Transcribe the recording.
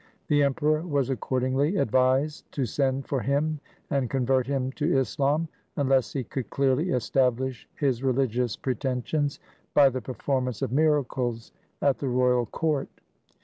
The Emperor was accordingly advised to send for him and convert him to Islam unless he could clearly establish his religious pre tensions by the performance of miracles at the royal court.